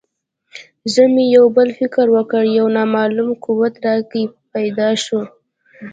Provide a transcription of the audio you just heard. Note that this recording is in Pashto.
زړه مې یو بل فکر وکړ یو نامعلوم قوت راکې پیدا شو.